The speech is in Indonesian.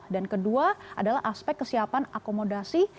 dan kedua adalah aspek kesiapan akomodasi